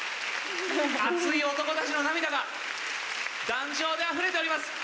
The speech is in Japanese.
熱い男たちの涙が壇上であふれております。